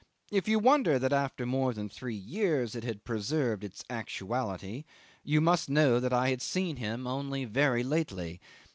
If you wonder that after more than three years it had preserved its actuality, you must know that I had seen him only very lately.